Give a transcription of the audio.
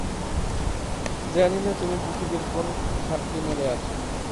জানিনা তুমি পৃথিবীর কোন ঘাপটি মেরে আছো।